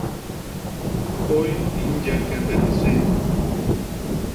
Kôy i nje kembe liseñg.